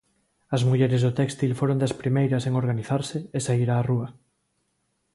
As mulleres do téxtil foron das primeiras en organizarse e saír a rúa.